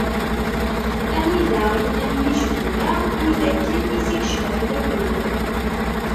Anida i llan yicbula, wid akken i ssi yecbeḥ waddud.